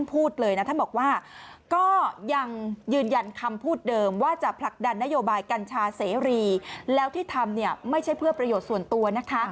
พลักดันนโยบายกัญชาเสรีแล้วที่ทำไม่ใช่เพื่อประโยชน์ส่วนตัวนะคะ